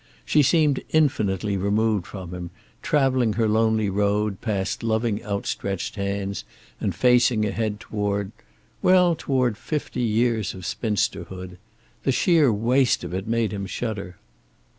She seemed infinitely removed from him, traveling her lonely road past loving outstretched hands and facing ahead toward well, toward fifty years of spinsterhood. The sheer waste of it made him shudder.